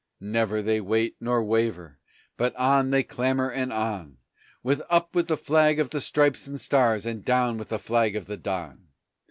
Never they wait nor waver, but on they clamber and on, With "Up with the flag of the Stripes and Stars, and down with the flag of the Don!"